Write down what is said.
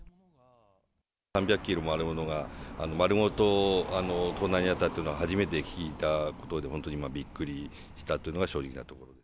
３００キロもあるものが、丸ごと盗難に遭ったっていうのは、初めて聞いたことで、本当にびっくりしたというのが正直なところ。